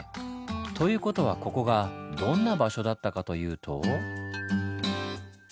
という事はここがどんな場所だったかというと。